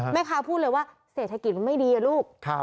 แม่ค้าพูดเลยว่าเศรษฐกิจมันไม่ดีลูก